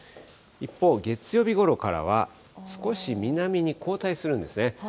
一方、月曜日ごろからは、少し南に後退するんですね。